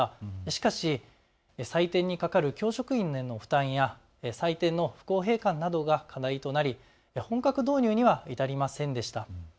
しかし採点にかかる教職員への負担や採点の不公平感などが課題となり本格導入には至りませんでした。